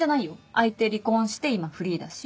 相手離婚して今フリーだし。